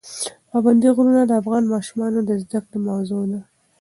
پابندي غرونه د افغان ماشومانو د زده کړې موضوع ده.